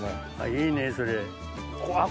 いいねそれ。